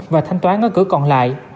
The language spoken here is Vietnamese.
và thanh toán ở cửa còn lại